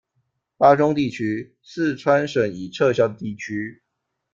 巴中地区，四川省已撤销的地区。